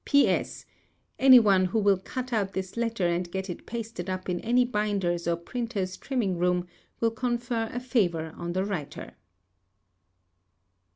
"P.S.—Any one who will cut out this letter, and get it pasted up in any binder's or printer's trimming room, will confer a favour on the writer."